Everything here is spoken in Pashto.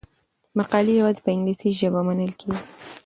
مقالې یوازې په انګلیسي ژبه منل کیږي.